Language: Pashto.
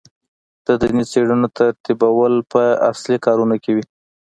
د دیني څېړنو ترتیبول په اصلي کارونو کې وي.